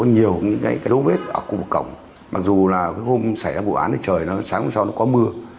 nhiều những cái dấu vết ở cụ cổng mặc dù là hôm xảy ra bộ án trời sáng hôm sau nó có mưa